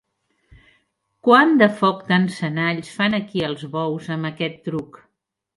Quant de foc d'encenalls fan aquí els bous amb aquest truc!